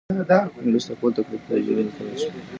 انګلیس د خپل تاکتیک بدلولو ته اړ شو.